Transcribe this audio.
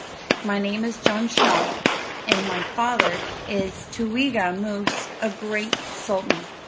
My name is Jan Shah, and my father is Tooeegha'mus, a great sultan.